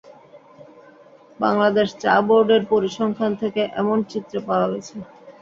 বাংলাদেশ চা বোর্ডের পরিসংখ্যান থেকে এমন চিত্র পাওয়া গেছে।